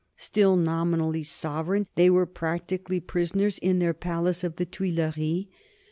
Still nominally sovereign, they were practically prisoners in their palace of the Tuileries.